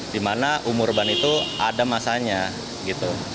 dimana umur ban itu ada masanya gitu